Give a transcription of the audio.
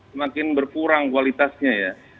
semakin berkurang kualitasnya ya